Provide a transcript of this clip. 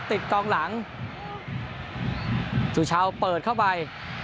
ติดกองหลังสุชาวเปิดเข้าไป